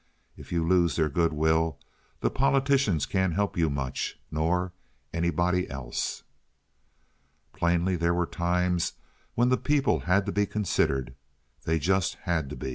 If you lose their good will the politicians can't help you much, nor anybody else." Plainly there were times when the people had to be considered. They just had to be!